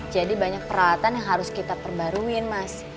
jadi banyak peralatan yang harus kita perbaruin mas